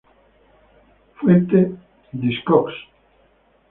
Fuente:, Discogs